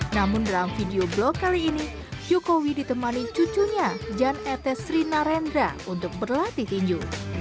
namun dalam video blog kali ini jokowi ditemani cucunya jan etes rina rendra untuk berlatih tinju